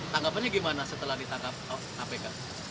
tanggapannya gimana setelah ditangkap kpk